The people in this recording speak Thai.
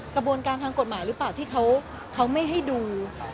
กระบวนการทางกฎหมายหรือเปล่าที่เขาไม่ให้ดู